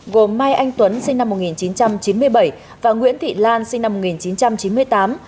gồm mai anh tuấn sinh năm một nghìn chín trăm chín mươi bảy và nguyễn thị lan sinh năm một nghìn chín trăm chín mươi tám